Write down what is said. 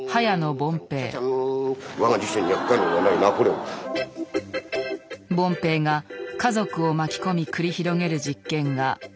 凡平が家族を巻き込み繰り広げる実験が話題になった。